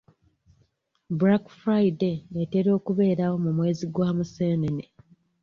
Black Friday etera kubaawo mu mwezi gwa Museenene.